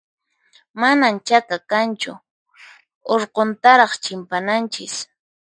Manan chaka kanchu, urquntaraq chimpananchis.